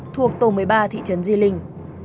thuộc tổ một mươi ba thị trấn di linh